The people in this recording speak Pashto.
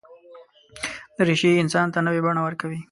دریشي انسان ته نوې بڼه ورکوي.